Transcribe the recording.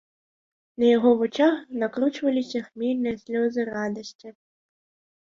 На яго вачах накручваліся хмельныя слёзы радасці.